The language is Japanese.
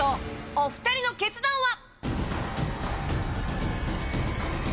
お二人の決断は？